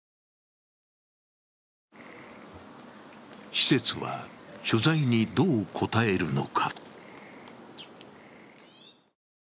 施設は取材にどう答えるのか。